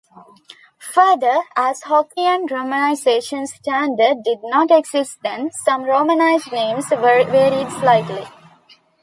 Further, as Hokkien romanization standard did not exist then, some romanized names varied slightly.